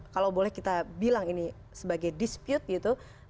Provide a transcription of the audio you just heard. kalau boleh kita bilang ini sebagai dispute gitu